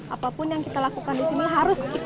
apapun yang kita lakukan di sini harus kita